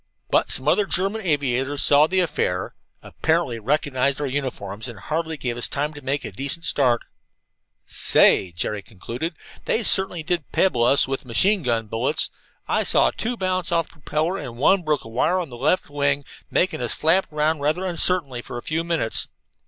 "But some other German aviators saw the affair, apparently recognized our uniforms, and hardly gave us time to make a decent start. "Say," Jerry concluded, "they certainly did pebble us with machine gun bullets! I saw two bounce off the propeller, and one broke a wire on the left wing, making us flap around rather uncertainly for a few minutes.